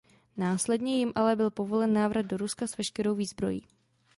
Následně jim ale byl povolen návrat do Ruska s veškerou výzbrojí.